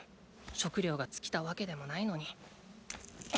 食糧が尽きたわけでもないのに。